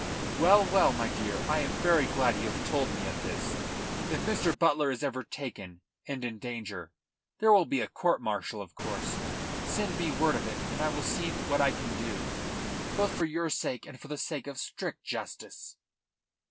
"Well, well, my dear, I am very glad you have told me of this. If Mr. Butler is ever taken and in danger there will be a court martial, of course send me word of it, and I will see what I can do, both for your sake and for the sake of strict justice."